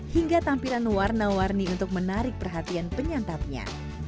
hingga tampilan warna warni untuk menarik perhatian penyantapnya